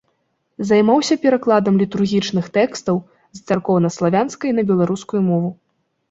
Займаўся перакладам літургічных тэкстаў з царкоўнаславянскай на беларускую мову.